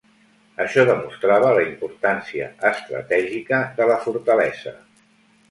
Això demostrava la importància estratègica de la fortalesa.